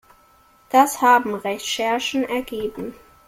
Das haben Recherchen ergeben.